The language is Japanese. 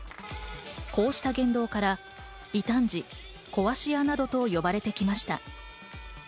こうした言動から異端児、壊し屋などと呼ばれてきました。